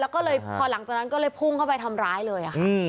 พอหลังจากนั้นก็เลยพุ่งเข้าไปทำร้ายเลย